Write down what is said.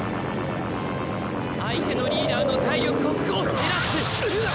相手のリーダーの体力を５減らす。